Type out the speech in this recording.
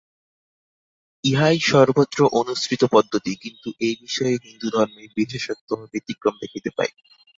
ইহাই সর্বত্র অনুসৃত পদ্ধতি, কিন্তু এ-বিষয়ে হিন্দুধর্মে বিশেষত্ব ও ব্যতিক্রম দেখিতে পাই।